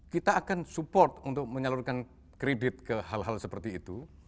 kita akan support untuk menyalurkan kredit ke hal hal seperti itu